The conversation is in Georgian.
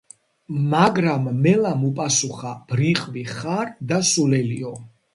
მაგრამ მელამ უპასუხა ბრიყვი ხარ და სულელიო